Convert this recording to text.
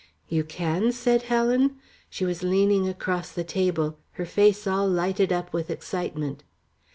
"You can?" said Helen. She was leaning across the table, her face all lighted up with excitement.